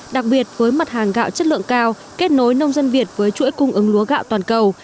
đặc biệt với mặt hàng gạo chất lượng cao kết nối nông dân việt với chuỗi cung ứng lúa gạo toàn cầu